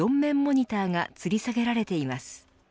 ４面モニターがつり下げられています。